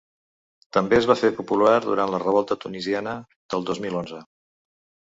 També es va fer popular durant la revolta tunisiana del dos mil onze.